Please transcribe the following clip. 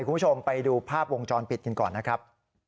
คุณผู้ชมไปดูภาพวงจรปิดกันก่อนนะครับ